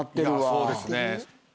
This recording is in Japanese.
そうですね。